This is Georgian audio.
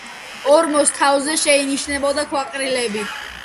ორმოს თავზე შეინიშნებოდა ქვაყრილები.